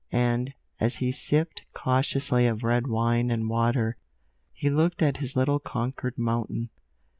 And, as he sipped cautiously of red wine and water, he looked at his little conquered mountain.